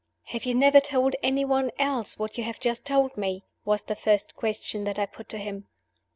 "Have you never told any one else what you have just told me?" was the first question that I put to him.